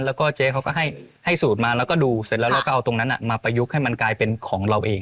แล้วก็เจ๊เขาก็ให้สูตรมาแล้วก็ดูเสร็จแล้วเราก็เอาตรงนั้นมาประยุกต์ให้มันกลายเป็นของเราเอง